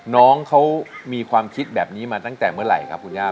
น้องเขามีความคิดแบบนี้มาตั้งแต่เมื่อไหร่ครับคุณย่า